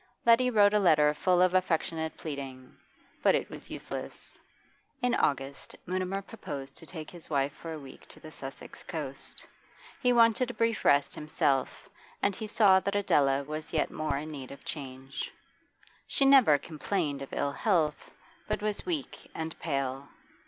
Letty wrote a letter full of affectionate pleading, but it was useless. In August, Mutimer proposed to take his wife for a week the Sussex coast. He wanted a brief rest himself, and he saw that Adela was yet more in need of change. She never complained of ill health, but was weak and pale.